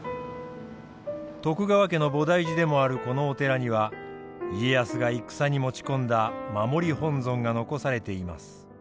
徳川家の菩提寺でもあるこのお寺には家康が戦に持ち込んだ守本尊が残されています。